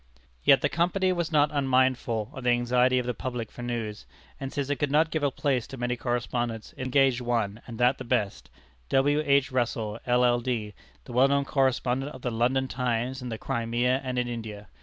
Yet the Company was not unmindful of the anxiety of the public for news, and since it could not give a place to many correspondents, it engaged one, and that the best W. H. Russell, LL.D., the well known correspondent of the London Times in the Crimea and in India.